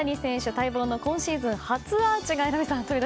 待望の今シーズン初アーチが榎並さん